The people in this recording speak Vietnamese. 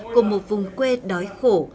của một vùng quê đói khổ